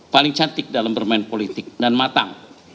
paling cantik dalam bermain politik dan matang